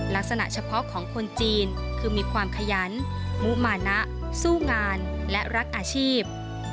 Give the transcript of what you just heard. ลักษณะเฉพาะของคนจีนคือมีความขยันมุมานะสู้งานและรักอาชีพ